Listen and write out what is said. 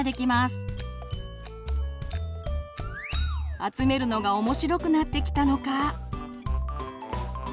集めるのが面白くなってきたのか。